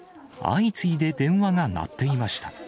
相次いで電話が鳴っていました。